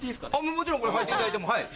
もちろんこれ履いていただいてもはい。